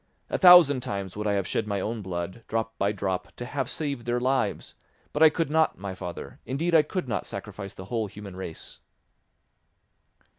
A thousand times would I have shed my own blood, drop by drop, to have saved their lives; but I could not, my father, indeed I could not sacrifice the whole human race."